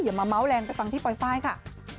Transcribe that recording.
อย่ามาเมาะแรงไปฟังพี่ปลอยฟ้ายค่ะ